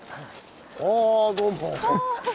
あどうも。